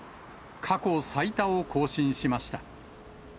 過去最多を更新しました。